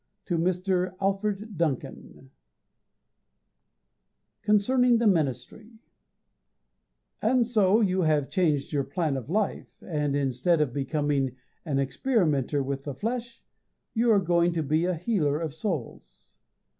To Mr. Alfred Duncan Concerning the Ministry And so you have changed your plan of life and, instead of becoming an experimenter with the flesh, are going to be a healer of souls.